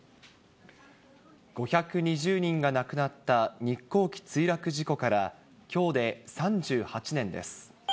５２０人が亡くなった日航機墜落事故からきょうで３８年です。